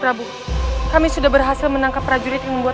padahal sudah kampung dengan sepenuhnyadp outra perempuan